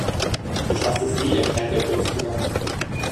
Sie schafft es nie, ihr Kleingeld loszuwerden.